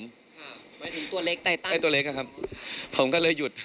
หมายถึงตัวเล็กไตตันตัวเล็กอะครับผมก็เลยหยุด